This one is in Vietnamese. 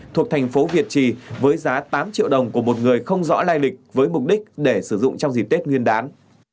thuộc thành phố việt trì với giá tám triệu đồng của một người không rõ lai lịch với mục đích để sử dụng trong dịp tết nguyên đán